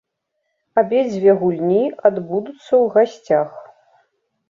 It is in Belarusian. Абедзве гульні адбудуцца ў гасцях.